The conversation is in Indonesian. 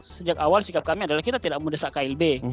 sejak awal sikap kami adalah kita tidak mendesak klb